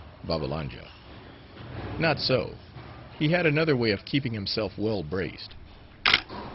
BABBALANJA—Not so; he had another way of keeping himself well braced.